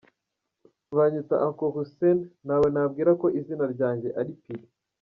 "Banyita Uncle Hussein, ntawe nabwira ko izina ryanje ari Pili.